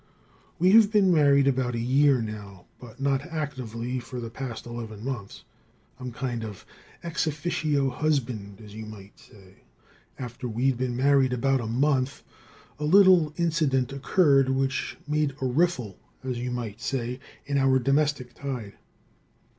We have been married about a year now, but not actively for the past eleven months. I'm kind of ex officio husband, as you might say. After we'd been married about a month a little incident occurred which made a riffle, as you might say, in our domestic tide.